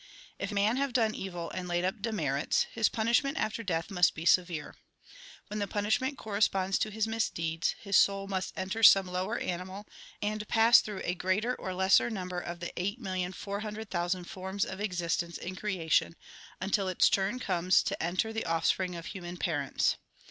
If man have done evil and laid up demerits, his punish ment after death must be severe. When the punishment corresponds to his misdeeds, his soul must enter some lower animal and pass through a greater or lesser number of the eight million four hundred thousand forms of existence in creation, until its turn comes to enter the offspring of human parents.